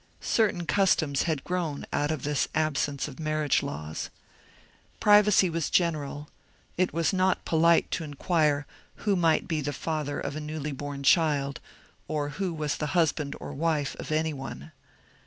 Certain customs had grown out of this absence of marriage laws. Privacy was general ; it was not polite to inquire who might be the father of a newly born child, or who was the husband or wife of any one.